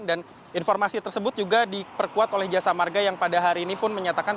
dan informasi tersebut juga diperkuat oleh jasa marga yang pada hari ini pun menyatakan